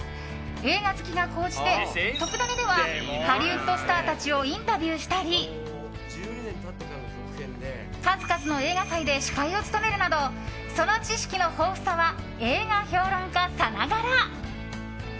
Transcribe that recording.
映画好きが高じて「とくダネ！」ではハリウッドスターたちをインタビューしたり数々の映画祭で司会を務めるなどその知識の豊富さは映画評論家さながら。